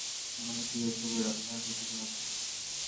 মানে কী এসবের--- আপনারা ঠিকই শুনেছেন।